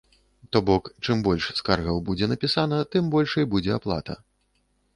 То бок, чым больш скаргаў будзе напісана, тым большай будзе аплата.